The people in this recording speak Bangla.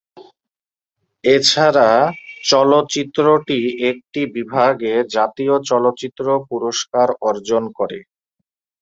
এছাড়া চলচ্চিত্রটি একটি বিভাগে জাতীয় চলচ্চিত্র পুরস্কার অর্জন করে।